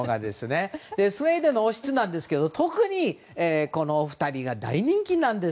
スウェーデンの王室ですけども特に、このお二人が大人気です。